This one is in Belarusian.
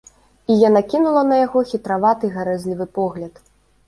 І яна кінула на яго хітраваты гарэзлівы погляд.